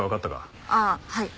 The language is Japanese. あっはい。